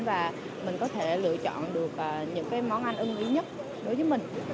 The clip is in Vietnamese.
và mình có thể lựa chọn được những cái món ăn ưng ý nhất đối với mình